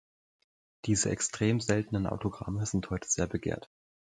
Diese extrem seltenen Autogramme sind heute sehr begehrt.